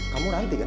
kamu berhenti kan